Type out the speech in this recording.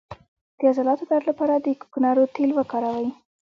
د عضلاتو درد لپاره د کوکنارو تېل وکاروئ